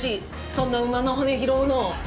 そんな馬の骨拾うの。